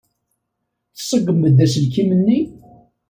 Tṣeggem-d aselkim-nni?